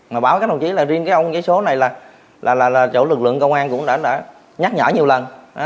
mà báo các đồng chí là riêng cái ông giấy số này là chỗ lực lượng công an cũng đã nhắc nhở nhiều lần